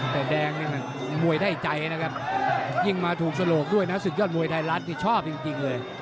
แต่แดงนี่มันมวยได้ใจนะครับยิ่งมาถูกสลกด้วยนะศึกยอดมวยไทยรัฐที่ชอบจริงเลย